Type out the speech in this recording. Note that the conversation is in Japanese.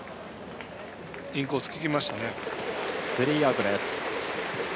スリーアウトです。